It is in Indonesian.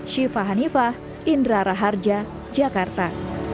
sampai jumpa lagi